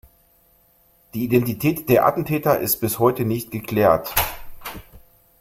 Die Identität der Attentäter ist bis heute nicht geklärt.